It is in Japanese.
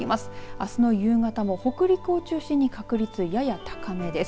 あすの夕方も北陸を中心に確率、やや高めです。